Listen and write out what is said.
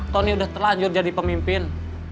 tony udah terlanjur jadi pemimpin